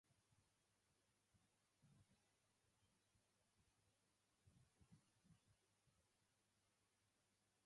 My brother is shaving because he has a job interview.